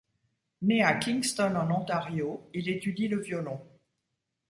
Né à Kingston en Ontario, il étudie le violon.